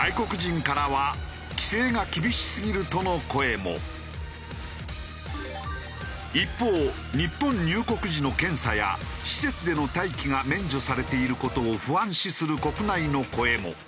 外国人からは一方日本入国時の検査や施設での待機が免除されている事を不安視する国内の声も。